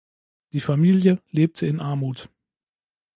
Die Familie lebte in Armut.